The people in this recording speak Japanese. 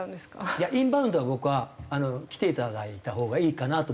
いやインバウンドは僕は来ていただいたほうがいいかなと思いますよ